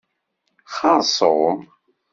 Xerṣum.